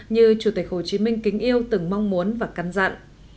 như chủ tịch hồ chí minh kính yêu từng mong muốn và cắn